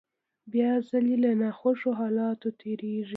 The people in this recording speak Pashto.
بيا ځلې له ناخوښو حالاتو تېرېږي.